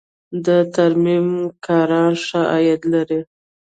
د ترمیم کاران ښه عاید لري